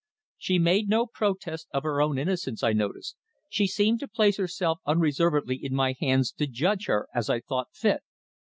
She made no protest of her own innocence, I noticed. She seemed to place herself unreservedly in my hands to judge her as I thought fit.